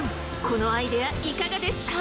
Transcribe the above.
このアイデアいかがですか？